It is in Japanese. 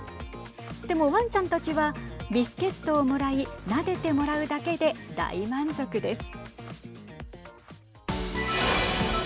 でも、わんちゃんたちはビスケットをもらいなでてもらうだけで大満足です。